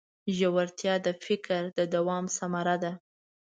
ژورتیا د فکر د دوام ثمره ده.